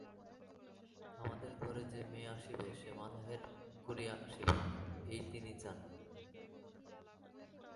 আমাদের ঘরে যে মেয়ে আসিবে সে মাথা হেঁট করিয়া আসিবে, এই তিনি চান।